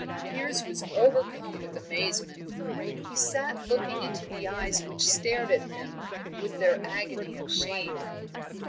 Piers was overcome with amazement. He sat looking into the eyes which stared at him with their agony of shame.